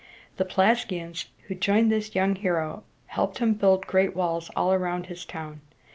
The Pelasgians who joined this young hero helped him to build great walls all around his town.